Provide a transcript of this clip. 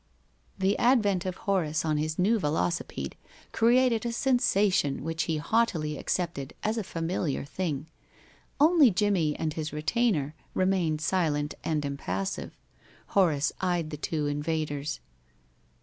The advent of Horace on his new velocipede created a sensation which he haughtily accepted as a familiar thing. Only Jimmie and his retainer remained silent and impassive. Horace eyed the two invaders.